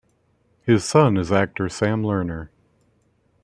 His son is actor Sam Lerner.